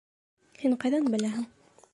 Һин ҡайҙан беләһең?!